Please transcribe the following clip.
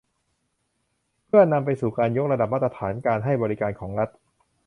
เพื่อนำไปสู่การยกระดับมาตรฐานการให้บริการของรัฐ